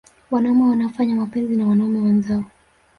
Wanaume wanaofanya mapenzi na wanaume wenzao